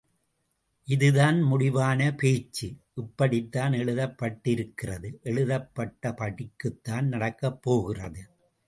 இது தான் முடிவானபேச்சு, இப்படித்தான் எழுதப்பட்டிருக்கிறது, எழுதப்பட்ட படிக்குத்தான் நடக்கப் போகிறது.